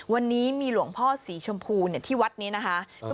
วันนี้มีหลวงพ่อสีชมพูที่วัดนี้นะคะ